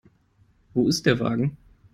Wo ist der Wagen?